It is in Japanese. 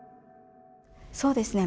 そうですね